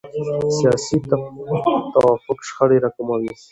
سیاسي توافق شخړې راکموي